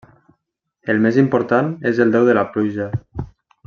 El més important és el déu de la pluja.